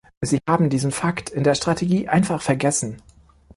Sie haben diesen Fakt in der Strategie einfach vergessen.